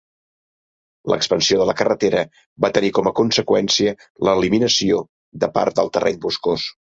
L'expansió de la carretera va tenir com a conseqüència l'eliminació de part del terreny boscós.